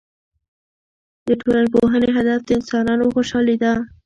د ټولنپوهنې هدف د انسانانو خوشحالي ده.